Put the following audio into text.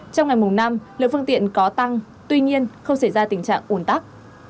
trong ngày mùng năm lượng phương tiện có tăng tuy nhiên không xảy ra tình trạng ủn tắc